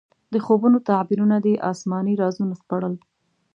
د خوبونو تعبیرونه دې اسماني رازونه سپړل.